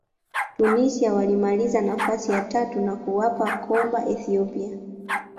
tunisia walimaliza nafasi ya tatu na kuwapa komba ethiopia